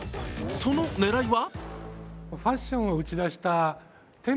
その狙いは？